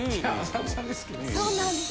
そうなんです。